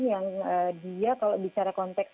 yang dia kalau bicara konteks